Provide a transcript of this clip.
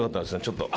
ちょっと。